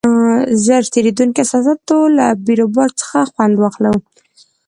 ژر تېرېدونکو احساساتو له بیروبار څخه خوند واخلو.